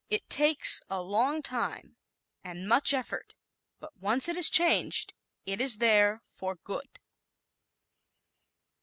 It takes a long time and much effort but once it is changed it is there for good.